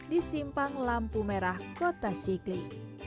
disimpang lampu merah kota sikli